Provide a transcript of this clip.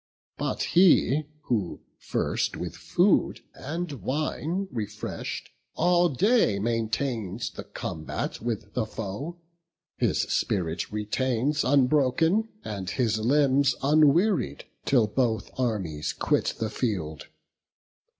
But he who, first with food and wine refresh'd, All day maintains the combat with the foe, His spirit retains unbroken, and his limbs Unwearied, till both armies quit the field.